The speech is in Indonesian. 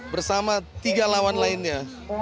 bersama tiga lawan lainnya